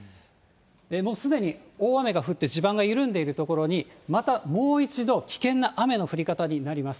もうすでに大雨が降って、地盤が緩んでいる所に、またもう一度、危険な雨の降り方になります。